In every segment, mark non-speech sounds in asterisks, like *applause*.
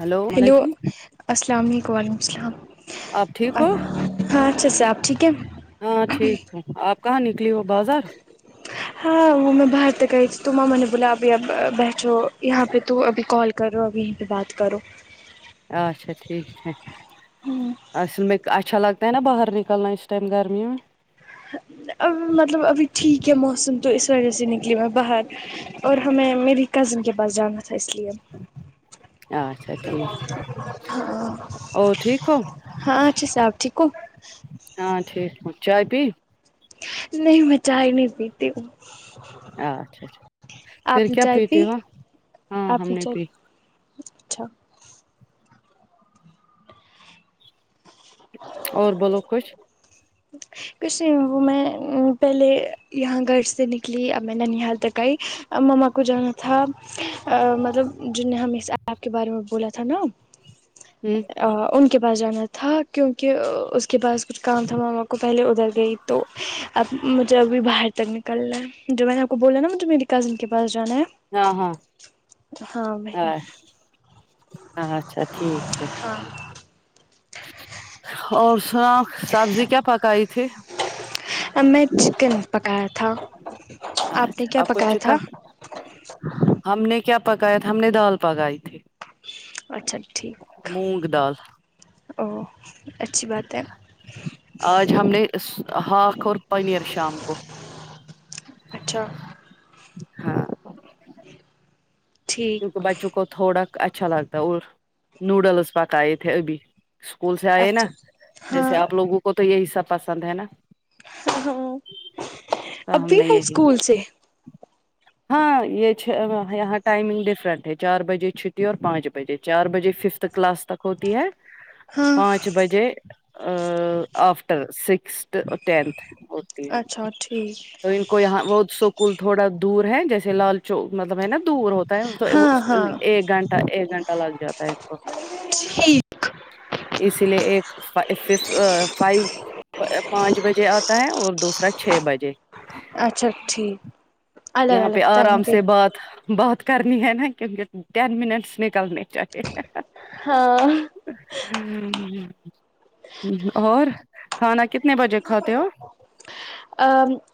Hello hello وعلیکم السلام علیکم وعلیکم السلام آپ ٹھیک ہو ہاں اچھے سے آپ ٹھیک ہے ہاں ٹھیک ہوں آپ کہاں نکلی ہو بازار ہاں وہ میں باہر تک آئی تھی تو ماما نے بولا ابھی اب بیٹھو یہاں پہ تو ابھی کال کرو اب یہیں پہ بات کرو اچھا ٹھیک ہے اصل میں اچھا لگتا ہے نا باہر نکلنا اس ٹم گرمی میں اب مطلب ابھی ٹھیک ہے موسم تو ا وجہ سے نکلی میں باہر اور ہمیں میری کزن کے پاس جانا تھا اس لیے اچھا ٹھیک ہاں او ٹھیک ہو ہاں اچھے سے آپ ٹھیک ہو ہاں ٹھیک ہوں چائے پی نہیں میں چائے نہیں پیتی ہوں اچھا اچھا پھر آپ نے کیا چائے پی پیتے ہو ہاں ہم آپ نے چائے پی اچھا اور بولو کچھ کچھ نہیں وہ میں پہلے یہاں گھر سے نکلی اب میں ننیحال تک آئی اب مما کو جانا تھا مطلب جن نے ہم صاحب کے بارے میں بولا تھا نا ہ ان کے پاس جانا تھا کیونکہ اس کے پاس کچھ کام تو ماما کو پہلے ادھر گئی تو اب مجھے ابھی باہر تک نکلنا ہے جو میں نے آپ کو بولا نا وہ میری کزن کے پاس جانا ہے ہاں ہاں ہاں وہی ا اچھا ٹھیک ہے اور سنا سبزی کیا پکائی تھی اب میں چکن پکایا تھا آپ نے اچھا کیا کو پکایا تھا چکن ہم نے کیا پکایا تھا ہم نے دال پکائی تھی اچھا ٹھیک مونگ دال او اچھی بات ہے آج ہم نے ہاھ اور پنیر شام کو اچھا ہاں ٹھیک کیونکہ بچوں کو تھوڑا اچھا لگتا ہے اور نوڈلس پکائے تھے ابھی اسکول سے آئے نا اچھا جیسے ہاں آپ لوگوں کو تو یہی سب پسند ہے نا ہاں ہاں تو ہم ابھی نے ائی یہی اسکول سے ہاں یہ یہاں ٹائمنگ ڈفرنٹ ہے چار بجے چھٹی اور پانچ بجے چار بجے ففتھ کلاس تک ہوتی ہے ہاں پانچ بجے آفٹر سکستھ ٹنتھ اچھا ٹھیک کو یہاں بہت سوکل تھوڑا دور ہے جیسے لال چوک مطلب ہے نا دور ہوتا ہے تو ہاں ہاں ایک گھنٹہ ایک گھنٹہ لگ جاتا ہے ان کو اسی لیے ایک فف فائیو پانچ بجے آتا ہے اور دوسرا چھ بجے اچھا ٹھیک الگ یہاں پہ الگ ٹائم آرام پہ سے بات بات کرنی ہے نا کیونکہ ٹین منٹس نکلنے چاہیے ہاں ہمم ہمم اور کھانا کتنے بجے کھاتے ہو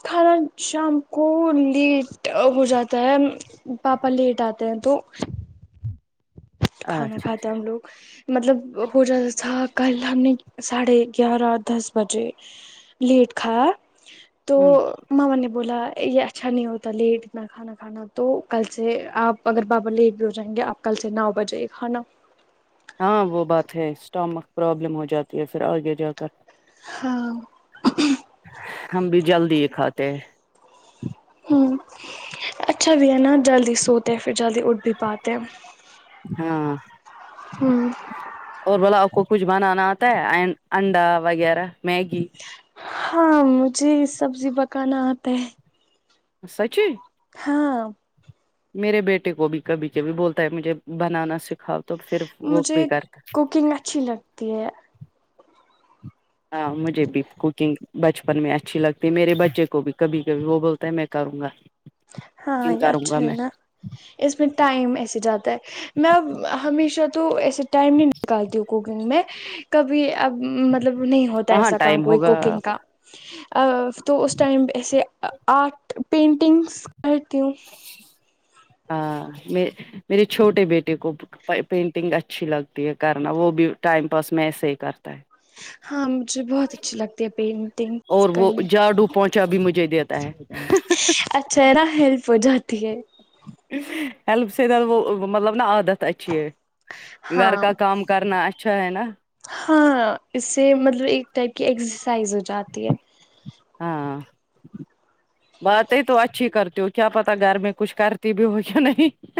کھانا شام کو لیٹ ہو جاتا ہے پاپا لیٹ آتے ہیں تو کھانا اچھا کھاتے ہیں ہم لوگ مطلب ہو جاتا تھا کل ہم نے ساڑھے گیارہ دس بجے لیٹ کھا یا تو ہ ماما نے بولا یہ اچھا نہیں ہوتا لیٹ اتنا کھانا کھانا تو کل سے آپ اگر بابا لیٹ بھی ہو جائیں گے آپ کل سے نو بجے کھانا ہاں وہ بات ہے اسٹامک پرابلم ہو جاتی ہے پھر آگے جا کر ہاں ہم بھی جلدی ہی کھاتے ہیں ہمم اچھا بھی ہے نا جلدی سوتے ہے پھر جلدی اٹھ بھی پاتے ہاں ہوں اور بلا آپ کو کچھ بنانا آتا ہے انڈا وغیرہ میگی ہاں مجھے سبزی پکانا آتا ہے سچ ہاں میرے بیٹے کو بھی کبھی کبھی بولتا ہے مجھے بنانا سکھاؤ تو پھر وہ مجھے بھی کرتا ہے۔ کوکنگ اچھی لگتی ہے ہاں مجھے بھی کوکنگ بچپن میں اچھی لگتی ہے میرے بچے کو بھی کبھی کبھی وہ بولتا ہے میں کروں گا ہاں کوکنگ یہ کروں اچھا گا ہے میں نا اس میں ٹائم ایسے جاتا ہے میں اب ہمیشہ تو ایسے ٹائم نہیں نکالتی ہوں کوکنگ میں کبھی اب مطلب نہیں ہوتا کہاں ایسا کام ٹائم کوئی ہوگا کوکنگ کا ا تو اس ٹائم ایسے ارٹ پینٹنگس کرتی ہوں *inaudible* ہاں میں میرے چھوٹے بیٹے کو پینٹنگ اچھی لگتی ہے کرنا وہ بھی ٹائم پاس میں ایسے ہی کرتا ہے ہاں مجھے بہت اچھی لگتی ہے پینٹ اور وہ جاڈو پہنچا بھی مجھے دیتا ہے اچھا ہے نہ ہیلپ ہو جاتی ہے ہیلپ سے زیادہ مطلب نا عادت اچھی گھر ہاں کا کام کرنا اچھا ہے نا ہاں اس سے مطلب ایک ٹائپ کی ایکسرسائز ہو جاتی ہے ہاں باتیں تو اچھی کرتی ہو کیا پتا گھر میں کچھ کرتی بھی ہو کیا نہیں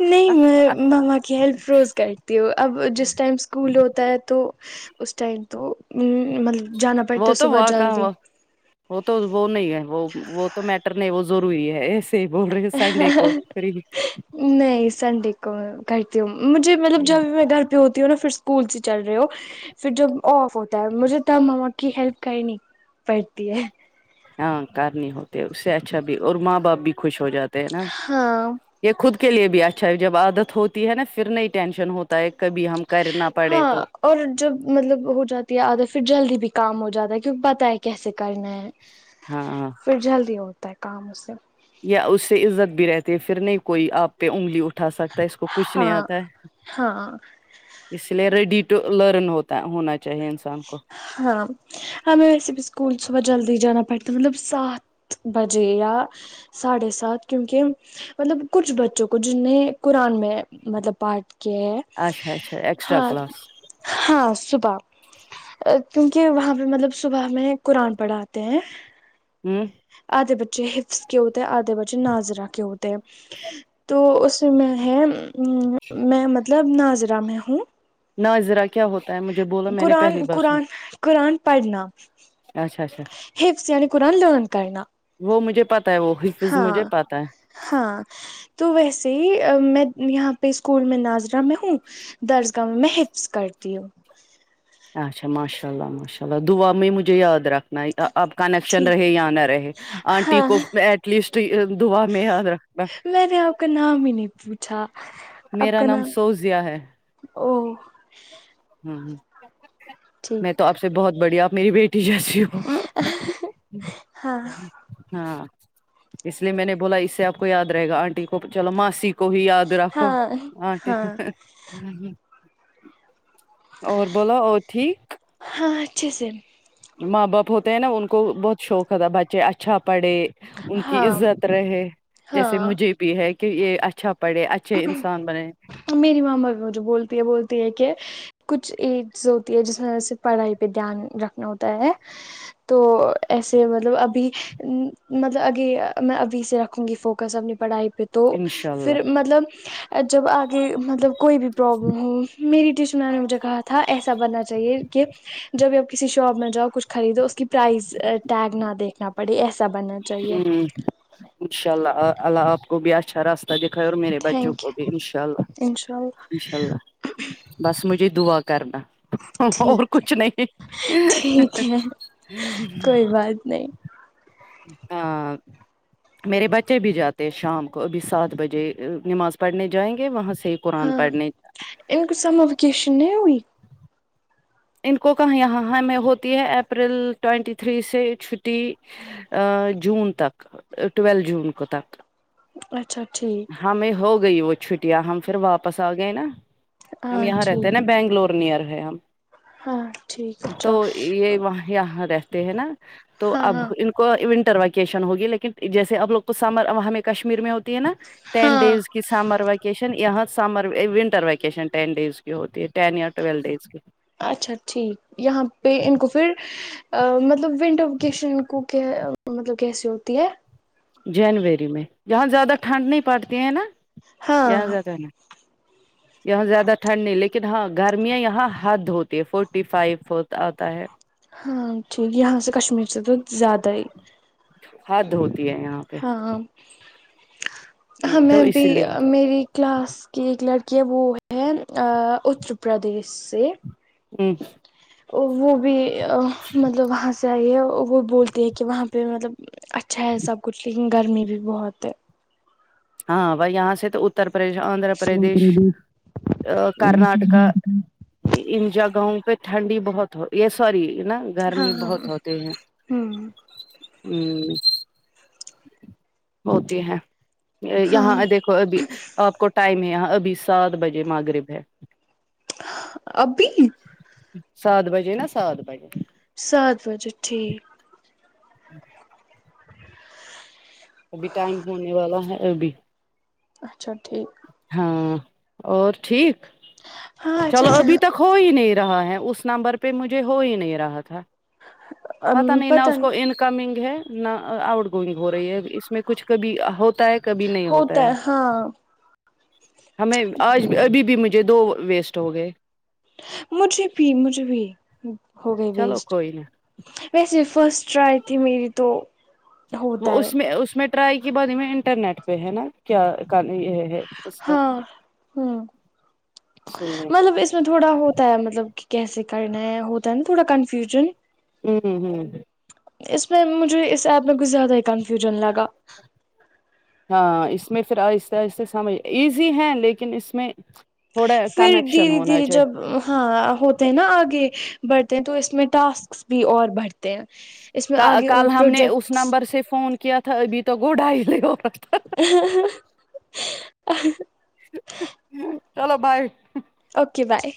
نہیں میں ماما کی ہیلپ روز کرتی ہو اب جس ٹائم اسکول ہوتا ہے تو اس ٹائم تو ا مطلب جانا پڑتا وہ ہے تو صبح وہ جلدی کہاں وہ تو وہ نہیں ہے وہ وہ تو میٹر نہیں وہ ضروری ہے بول رہے ہو سنڈے کو کریگی نہیں سنڈے کو کرتی ہوں مجھے مطلب جب بھی میں گھر ہوتی ہو نہ پھر اسکول سے چل رہے ہو پھر جب آف ہوتا ہے مجھے تب مما کی ہیلپ کرنی پڑتی ہے ہاں کرنی ہوتے اس سے اچھا بھی اور ماں باپ بھی خوش ہو جاتے ہے نا ہاں یہ خود کے لیے بھی اچھا ہے جب عادت ہوتی ہے نا پھر نہیں ٹینشن ہو تا ہے کبھی ہم کرنا پڑے ہاں تو اور جب مطلب ہو جاتی ہے عادت پھر جلدی بھی کام ہو جاتا ہے کیونکہ پتہ ہے کیسے کرنا ہے ہاں پھر جلدی ہوتا ہے کام اس سے یا اس سے عزت بھی رہتی ہے پھر نہیں کوئی آپ پہ انگلی اٹھا سکتا ہے اس کو کچھ نہیں ہاں آتا ہے ہاں اس لیے ریڈی ٹو لرن ہوتا ہونا چاہیے انسان کو ہاں ہمیں ویسے بھی اسکول صبح جلدی جانا پڑتا ہے مطلب سات بجے یا ساڑے سات کیونکہ مطلب کچھ بچوں کو جنھیں قرآن میں مطلب پاڈھ کے ہے اچھا اچھا ایکسٹرا ہاں کلاس ہاں صبح کیونکہ وہاں پہ مطلب صبح میں قرآن پڑھاتے ہیں ہوں آدھے بچے حفظ کے ہوتے ہے آدھے بچے ناظرہ کے ہوتے ہے تو اس میں ہے میں مطلب ناظرہ میں ہوں ناظرہ کیا ہوتا ہے مجھے بولو میں نے قرآن پہلی بار سنا قرآن قرآن پڑھنا اچھا اچھا حفظ یعنی قرآن لن کرنا وہ مجھے پتہ ہے وہ حفظ ہاں مجھے پتہ ہے ہاں تو ویسے میں یہاں پہ اسکول میں ناظرہ میں ہوں درس گاہ میں حفظ کرتی ہوں اچھا ماشاء اللہ ماشاء اللہ دعا میں مجھے یاد رکھ نہیں اب کنیکشن ٹھیک رہے یا نہ رہے آنٹی ہاں کو ایٹ لیسٹ دعا میں یاد رکھ میں نے آپ کا نام ہی نہیں پوچھا آپ میرا کا نام سوزیا ہے او ہوں ہ میں ٹھیک تو آپ سے بہت بڑی آپ میری بیٹی جیسی ہو ہاں ہاں اس لیے میں نے بولا اس سے آپ کو یاد رہے گا آنٹی کو چلو ماسی کو ہی یاد رکھو ہاں انٹی ہاں کو اور بولو اور ٹھیک ہاں اچھے سے ماں باپ ہوتے ہیں نا ان کو بہت شوق ہوتا بچے اچھا پڑھے ان کی ہاں عزت رہے جیسے ہاں مجھے بھی ہے کہ یہ اچھا پڑھے ا چھے انسان بنیں میری مما بھی مجھے بولتی ہے بولتی ہے کہ کچھ ایڈز ہوتی ہے جس میں وجہ سے پڑھائی پہ دھیان رکھنا ہوتا ہے تو ایسے مطلب ابھی مطلب اگے میں ابھی سے رکھوں گی فوکس اپنے پڑھائی پہ تو انشاء پھر اللہ مطلب جب آگے متلب کوئی بھی پرابلم ہو میری تشانے نے مجھے کہا تھا ایسا بننا چاہیے کہ جب بھی آپ کسی شاپ میں جاؤ کچھ خریدو اس کی پرائس ٹیگ نہ دیکھنا پڑ پڑھ ایسا بننے ہمم انا نشاء اللہ اللہ آپ کو بھی اچھا رس دکھائے اور میرے بچوں تھینک کو یو بھی ان شاء اللہ انشاء اللہ ان شاء اللہ بس مجھے دعا کرنا اور ٹھیک ہے کچھ نہیں ٹھیک ہے کوئی نہیں ہاں میرے بچے بھی جاتے ہیں شام کو ابھی سات بجے نماز پڑھنے جائیں گے وہاں سے قرآن ہاں پڑھنے ان کو سمر ویکیشن نہیں ہوئی ان کو کہ یہاں میں ہوتی ہے اپریل ٹوینٹی تھری سے چھٹی ا جون تک ٹوئلتھ جون کو تک اچھا ٹھیک ہمیں ہو گئی وہ چھٹیاں ہم پھر واپس آ گئے نا ہم ہاں یہاں رہتے نا ٹھیک بنگلور نیئر ہے ہم ہاں ٹھیک تو اچھا یہ وہاں یہاں رہتے ہیں نا تو ہاں اب ہاں ان کو ونٹر ویکیشن ہوگی لیکن جیسے اب لوگ کو سمر وہاںیں کشمیر میں ہوتی ہے نا ٹین ہاں ڈیز کہ سمر ویکیشن یہاں summer winter vacation ten days کی ہوتی ہے ٹین یا ٹویلو ڈیز کی اچھا ٹھیک یہاں پہ ان کو پھر ا مطلب ونڈو وکیشن کو کیا مطلب کیسی ہوتی ہے جنوری میں جہاں زیادہ ٹھنڈ نہیں پڑتی ہیں نا ہاں یہاں زیادہ نا یہاں زیادہ ٹھنڈ نہیں لیکن ہاں گرمیاں یہاں حد ہوتی ہے فورٹی فائیو آتا ہے ہاں ٹھیک یہاں سے کشمیر سے تو زیادہ ہی حد ہوتی ہے یہاں پہ ہاں تو ہمیں اس بھی لیے امیری کلاس کی ایک لڑکی ہے وہ ہے ا اتر پردیش سے ہمم وہ بھی مطلب وہاں سے آئی ہے وہ بولتی ہے کہ وہاں پہ مطلب اچھا ہے سب کچھ لیکن گرمی بھی بہت ہے ہاں بائی یہاں سے تو اتر پردیش آندھرا پردیش کرناٹکا انن جگہوں پہ ٹھنڈی بہت ہو یہ سوری ہے نا ہاں گرمی ہاں بہت ہ ہوتے ہیں ہمم ہوتی ہے یہاں ہاں دیک ابھی آپ کو ٹائم ہے یہ ابھی سات بجے مغرب ہے ابھی سات بجے نا سات بجے سات بجے ٹھیک ابھی ٹائم ہونے والا ہے ابھی اچھا ٹھیک ہاں اور ٹھیک ہاں اچھا چلو سے ابھی تک ہو ہی نہیں رہا ہے اس نمبر پہ مجھے ہو ہی نہیں رہا تھا پتا نہیں نا پت اس کو ان کمنگ ہے نہ آؤٹ گوئنگ ہو رہی ہے اس میں کچھ کبھی ہوتا ہے کبھی نہیں ہوتا ہے ہمیں آج ابھی بھی مجھے دو ویسٹ ہو گئے مجھے بھی مجھے بھی ہو گئے چلو ویسٹ کوئی نا ویسے فرسٹ ٹرائی تھی میری تو ہوتا وہ ہے اس میں اس میں ٹرائی کی بارے میں انٹرنیٹ پہ ہے نا کیا یہ ہے اس کا ہاں ہوں سننے مطلب اس میں تھوڑا ہوتا ہے مطلب کہ کیسے کرنا ہے ہوتا ہے نا تھوڑا کنفیوژن آ م ہمم ہمم اس میں مجھے اسس ایپ میں کچھ زیادہ ہی کنفیوژن لگا ہاں اس میں پھر آہستہ آہستہ سمجھ ایزی ہیں لیکن اس میں تھوڑا پھر کنیکشن دھیرے ہونا دھیرے جب چاہیے ہاں ہوتے ہیں نا آگے بڑھتے ہیں تو اس میں ٹاسک بھی اور بڑھتے ہیں اس میں آگے اور کل ہم نے اس پروجیکٹس نمبر سے فون کے تھا ابھی تک آٹھائی نہیں عورت چلو بائے اوکے بائے